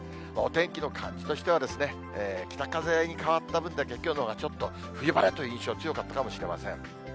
お天気の感じとしては、北風に変わった分だけきょうのほうがちょっと冬晴れという印象、強かったかもしれません。